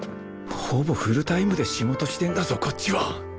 ほぼフルタイムで仕事してんだぞこっちは！